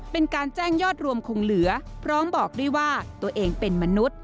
เป็นการแจ้งยอดรวมคงเหลือพร้อมบอกด้วยว่าตัวเองเป็นมนุษย์